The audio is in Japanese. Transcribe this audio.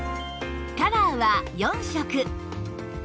カラーは４色